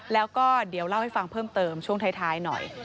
แล้วก็เดี๋ยวเล่าให้ฟังเพิ่มเติมช่วงท้ายหน่อย